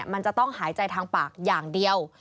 มันจะต้องหายใจทางปากอย่างเดียว